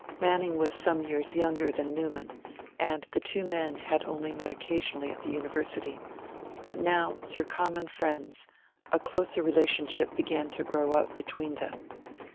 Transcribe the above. Manning was some years younger than Newman, and the two men had only met occasionally at the University; but now, through common friends, a closer relationship began to grow up between them.